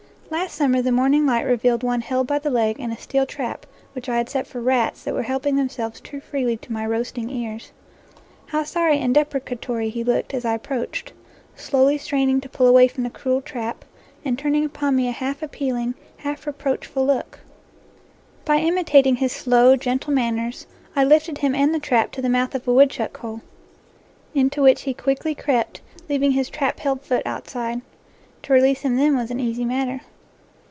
Last summer the morning light revealed one held by the leg in a steel trap which I had set for rats that were helping them selves too freely to my roasting ears. How sorry and deprecatory he looked as I approached, slowly straining to pull away from the cruel trap, and turning upon me a half appealing, half reproachful look ! By imitating his slow, gentle manners, I lifted him and the trap to the mouth of a woodchuck hole, into which he quickly crept, leaving his trap held foot outside. To release him then was an easy matter.